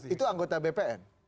itu anggota bpn